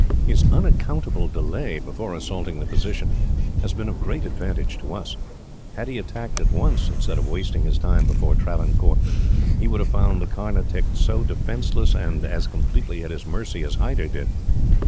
"His unaccountable delay, before assaulting the position, has been of great advantage to us. Had he attacked us at once, instead of wasting his time before Travancore, he would have found the Carnatic as defenceless and as completely at his mercy as Hyder did.